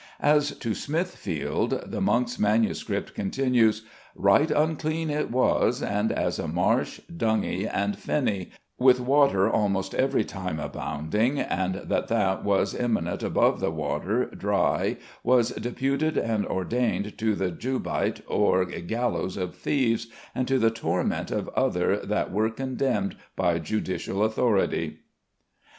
As to Smithfield, the monk's manuscript continues: "Right unclean it was; and, as a marsh, dungy, and fenny, with water almost every time abounding and that that was eminent above the water, dry, was deputed and ordained to the jubeit or gallows of thieves, and to the torment of other that were condemned by judicial authority."